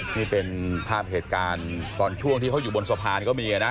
นี่เป็นภาพเหตุการณ์ตอนช่วงที่เขาอยู่บนสะพานก็มีนะ